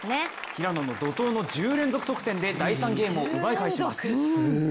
平野の怒とうの１０連続得点で、第３ゲームを奪い返します。